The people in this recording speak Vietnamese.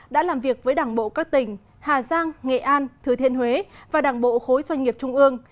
đã làm việc với đảng bộ các tỉnh hà giang nghệ an thừa thiên huế và đảng bộ khối doanh nghiệp trung ương